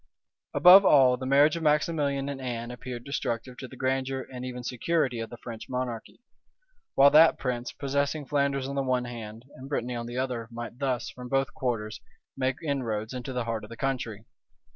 Above all, the marriage of Maximilian and Anne appeared destructive to the grandeur and even security of the French monarchy; while that prince, possessing Flanders on the one hand, and Brittany on the other, might thus, from both quarters, make inroads into the heart of the country.